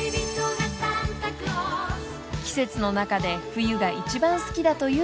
［季節の中で冬が一番好きだというビッケさん］